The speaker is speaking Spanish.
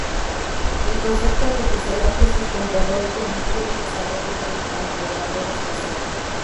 El concepto de fuselaje sustentador permitió el desarrollo del transbordador espacial.